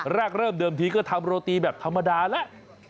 เริ่มเดิมทีก็ทำโรตีแบบธรรมดาแล้ว